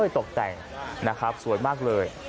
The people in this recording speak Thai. ตกแต่งนะครับสวยมากเลย